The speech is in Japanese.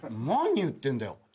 何言ってんだよ。